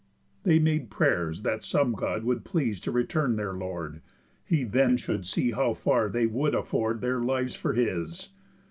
They made pray'rs That some God would please to return their lord, He then should see how far they would afford Their lives for his.